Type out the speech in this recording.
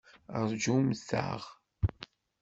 Rjumt-aɣ!